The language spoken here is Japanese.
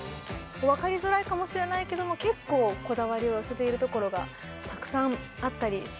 分かりづらいかもしれないけども結構こだわりを寄せているところがたくさんあったりしました。